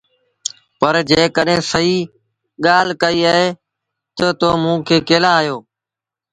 پر جيڪڏهينٚ سهيٚ ڳآل ڪئيٚ اهي تا تو موٚنٚ کي ڪݩهݩ لآ هݩيو؟